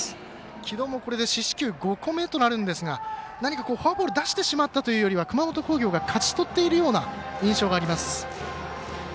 城戸も四死球５個目となるんですがフォアボール出してしまったというよりは熊本工業が勝ち取っているような印象があります。